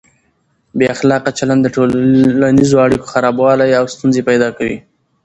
بې اخلاقه چلند د ټولنیزو اړیکو خرابوالی او ستونزې پیدا کوي.